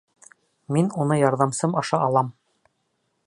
Мин уны ярҙамсым аша алам.